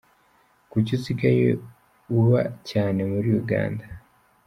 Kuki usigaye uba cyane muri Uganda?.